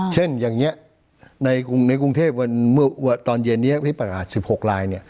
เช่นอย่างนี้ในกรุงเทพตอนเย็นนี้พิการประกาศ๑๖ราย